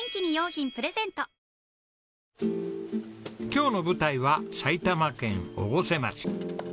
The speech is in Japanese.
今日の舞台は埼玉県越生町。